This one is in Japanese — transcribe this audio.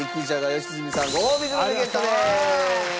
良純さんごほうびグルメゲットです！